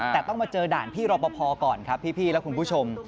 แต่ต้องมาเจอด่านพี่รอปภก่อนครับพี่และคุณผู้ชม